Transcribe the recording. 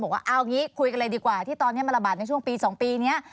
ว่าเอางี้คุยกันเลยดีกว่าที่ตอนนี้มันระบาดในช่วงปี๒ปีนี้